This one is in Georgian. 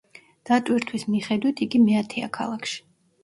დატვირთვის მიხედვით, იგი მეათეა ქალაქში.